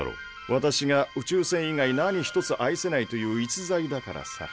私が宇宙船以外何一つ愛せないという逸材だからさ。